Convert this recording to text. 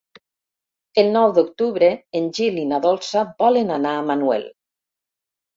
El nou d'octubre en Gil i na Dolça volen anar a Manuel.